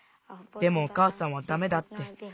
でもおかあさんは「ダメだ」って。